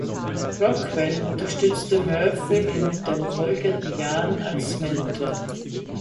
Rockwell unterstützte Murphy in den folgenden Jahren als Mentor.